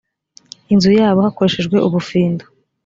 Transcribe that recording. inzu yabo hakoreshejwe ubufindo